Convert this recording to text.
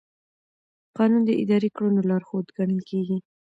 قانون د اداري کړنو لارښود ګڼل کېږي.